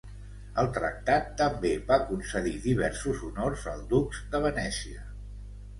El tractat també va concedir diversos honors al Dux de Venècia.